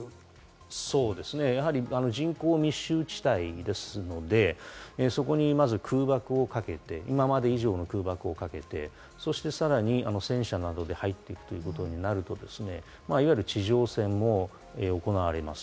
そうですね、人口密集地帯ですし、そこに空爆をかけて、今まで以上の空爆をかけてさらに戦車などで入っていくということになると、いわゆる地上戦も行われます。